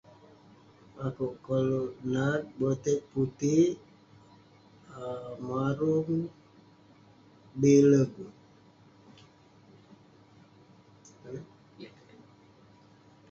Akouk koluk nat boteg putik, um marung, bilep.